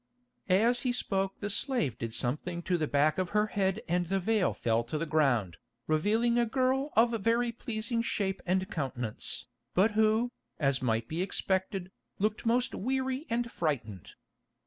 As he spoke the slave did something to the back of her head and the veil fell to the ground, revealing a girl of very pleasing shape and countenance, but who, as might be expected, looked most weary and frightened.